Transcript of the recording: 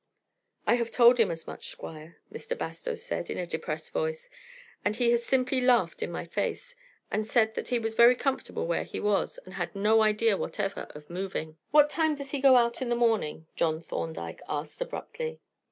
"I have told him as much, Squire," Mr. Bastow said, in a depressed voice, "and he has simply laughed in my face, and said that he was very comfortable where he was, and had no idea whatever of moving." "What time does he go out in the morning?" John Thorndyke asked abruptly.